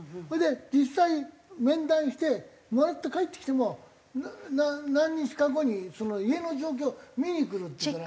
それで実際面談してもらって帰ってきても何日か後に家の状況を見にくるって。